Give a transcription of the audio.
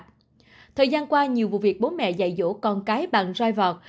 thời gian qua nhiều vụ việc bố mẹ dạy dỗ con cái bằng roi vọt